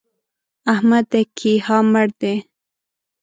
احمد د کيها مړ دی!